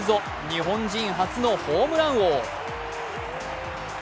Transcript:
日本人初のホームラン王。